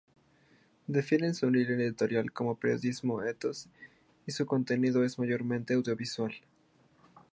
Definen su linea editorial como Periodismo Ethos y su contenido es mayormente audiovisual.